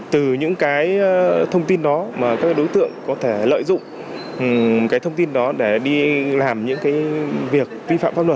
từ những cái thông tin đó mà các đối tượng có thể lợi dụng cái thông tin đó để đi làm những cái việc vi phạm